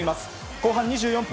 後半２４分。